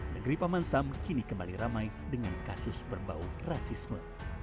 negeri paman sam kini kembali ramai dengan kasus berbau rasisme